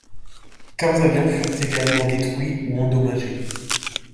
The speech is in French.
Quinze avions furent également détruits ou endommagés.